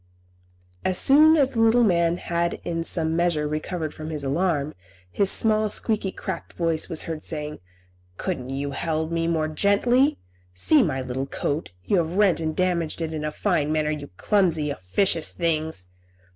As soon as the little man had in some measure recovered from his alarm, his small, squeaky, cracked voice was heard saying, "Couldn't you have held me more gently? See my little coat; you have rent and damaged it in a fine manner, you clumsy, officious things!"